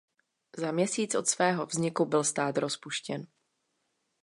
Za měsíc od svého vzniku byl stát rozpuštěn.